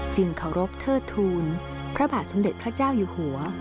เคารพเทิดทูลพระบาทสมเด็จพระเจ้าอยู่หัว